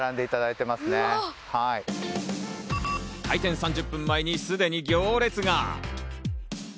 開店３０分前にすでに行列が。